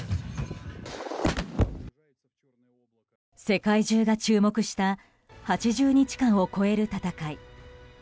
世界中が注目した８０日間を超える戦い。